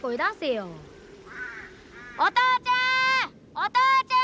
お父ちゃん！